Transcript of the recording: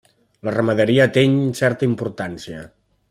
La ramaderia ateny certa importància.